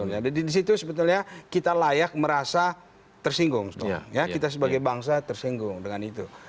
jadi di situ sebenarnya kita layak merasa tersinggung kita sebagai bangsa tersinggung dengan itu